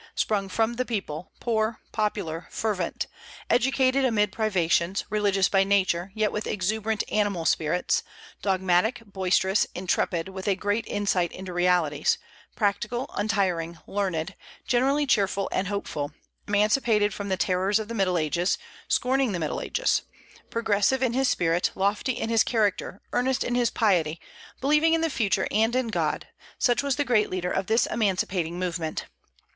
Sprung from the people, poor, popular, fervent; educated amid privations, religious by nature, yet with exuberant animal spirits; dogmatic, boisterous, intrepid, with a great insight into realities; practical, untiring, learned, generally cheerful and hopeful; emancipated from the terrors of the Middle Ages, scorning the Middle Ages; progressive in his spirit, lofty in his character, earnest in his piety, believing in the future and in God, such was the great leader of this emancipating movement.